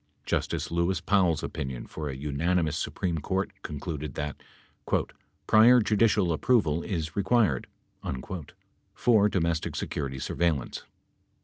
Justice Lewis Powell's opinion for a unanimous Su preme Court concluded that "prior judicial approval is required" for domestic security surveillance.